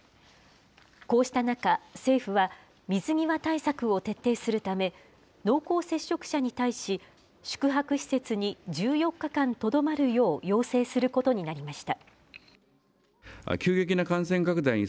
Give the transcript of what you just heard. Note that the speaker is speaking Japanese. こうした中政府は、水際対策を徹底するため、濃厚接触者に対し、宿泊施設に１４日間とどまるよう要請することになりました。